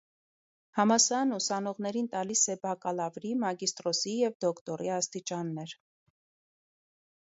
Համալսարանը ուսանողներին տալիս է բակալավրի, մագիստրոսի և դոկտորի աստիճաններ։